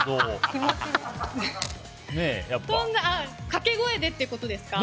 掛け声でってことですか？